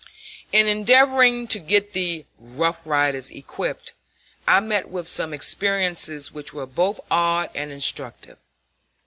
In endeavoring to get the "Rough Riders" equipped I met with some experiences which were both odd and instructive.